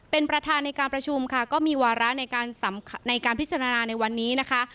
เป็นประธานในการประชุมค่ะก็มีวาระในการในการพิจารณาในวันนี้นะคะ